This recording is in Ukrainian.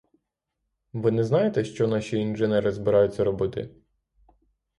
Ви не знаєте, що наші інженери збираються робити?